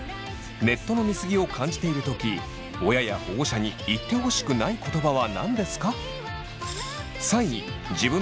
ネットの見過ぎを感じている時親や保護者に言ってほしくない言葉は何ですか？